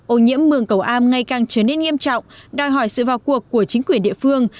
ô nhiễm mường cầu am ngày càng trở nên nghiêm trọng đòi hỏi sự vào cuộc của chính quyền địa phương